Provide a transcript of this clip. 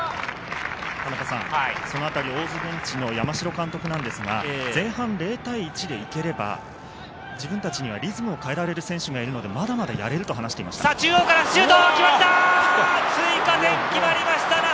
そのあたり、大津ベンチの山城監督ですが、前半０対１で行ければ、自分達にはリズムを変えられる選手がいるので、まだまだやれると話していました。